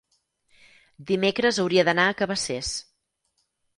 dimecres hauria d'anar a Cabacés.